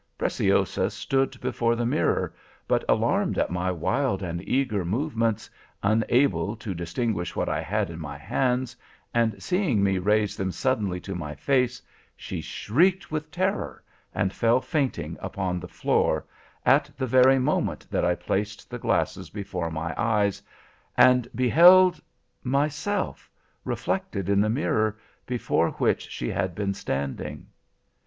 Preciosa stood before the mirror, but alarmed at my wild and eager movements, unable to distinguish what I had in my hands, and seeing me raise them suddenly to my face, she shrieked with terror, and fell fainting upon the floor, at the very moment that I placed the glasses before my eyes, and beheld—myself, reflected in the mirror, before which she had been standing.